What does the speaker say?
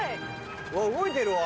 動いてるわ。